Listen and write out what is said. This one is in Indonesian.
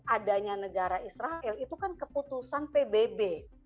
adanya negara israel itu kan keputusan pbb